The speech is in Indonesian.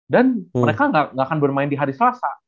dan mereka gak akan bermain di hari selasa